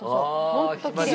ホントきれい。